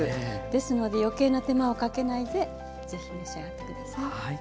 ですので余計な手間をかけないでぜひ召し上がってください。